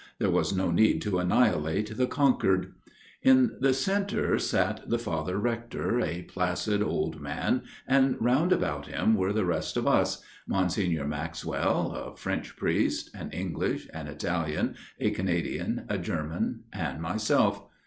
There was no need to annihilate the conquered. In the centre sat the Father Rector, a placid old man, and round about him were the rest of us Monsignor Maxwell, a French priest, an English, an Italian, a Canadian, a German and myself.